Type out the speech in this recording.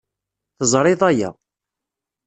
Teẓriḍ aya.